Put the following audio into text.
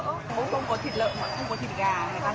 không có thịt lợn mà không có thịt gà này